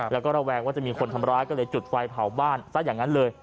แล้วก็ระแวงว่าจะมีคนทำร้ายก็เลยจุดไฟเผาบ้านซะอย่างนั้นเลย